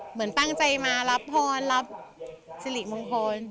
เหมือนตั้งใจมารับพรรับสิริมงคล